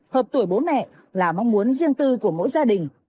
hợp tuổi bố mẹ là mong muốn riêng tư của mỗi gia đình